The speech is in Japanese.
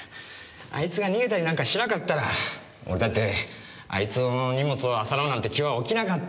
あいつが逃げたりなんかしなかったら俺だってあいつの荷物を漁ろうなんて気は起きなかった。